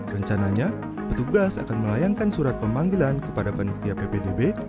rencananya petugas akan melayangkan surat pemanggilan kepada panitia ppdb